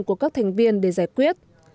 của các thành viên để giải quyết